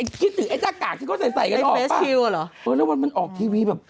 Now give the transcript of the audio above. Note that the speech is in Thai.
คิดถึงไอ้จ้ากากที่เขาใส่กันออกปะโอ้โฮแล้วมันออกทีวีแบบ